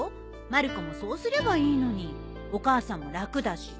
まる子もそうすればいいのにお母さんも楽だし。